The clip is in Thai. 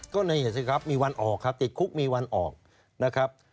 ก็นี่สิครับมีวันออกครับติดคุกมีวันออกนะครับ